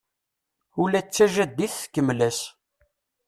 Ula d tajadit tkemmel-as.